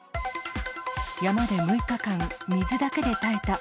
山で６日間、水だけで耐えた。